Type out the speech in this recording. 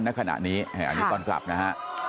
ณขณะนี้อันนี้ตอนกลับนะฮะ